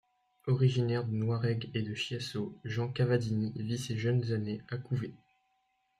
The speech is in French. Originaire de Noiraigue et de Chiasso, Jean Cavadini vit ses jeunes années à Couvet.